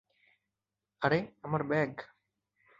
আরে, আমার ব্যাগ!